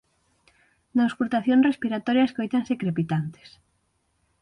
Na auscultación respiratoria escóitanse crepitantes.